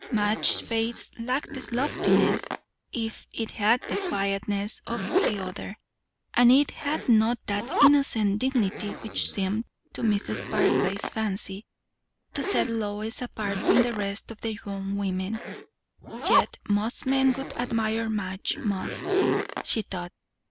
Madge's face lacked the loftiness, if it had the quietness, of the other; and it had not that innocent dignity which seemed to Mrs. Barclay's fancy to set Lois apart from the rest of young women. Yet most men would admire Madge most, she thought.